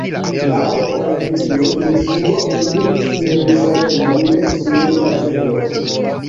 Laŭ Evangelioj, Jesuo eniris Jerusalemon sur azeno.